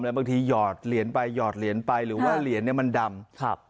บางทีหยอดเหรียญไปหยอดเหรียญไปหรือว่าเหรียญเนี่ยมันดำครับ